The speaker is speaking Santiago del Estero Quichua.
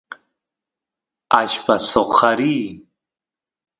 allpa soqariy